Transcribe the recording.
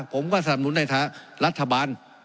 ผมก็สนับนุนในรัฐบาล